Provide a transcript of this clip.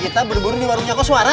kita berburu di warung nyako suara